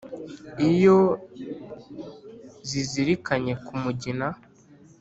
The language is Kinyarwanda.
iyo zizirikanye ko mugina